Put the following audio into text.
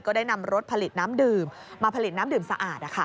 ได้นำรถผลิตน้ำดื่มมาผลิตน้ำดื่มสะอาด